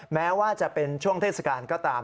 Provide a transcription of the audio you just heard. แม้ว่าจะเป็นช่วงเทศกาลก็ตาม